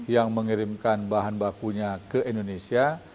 yang mengirimkan bahan bakunya ke indonesia